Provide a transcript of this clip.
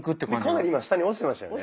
かなり今下に落ちてましたよね。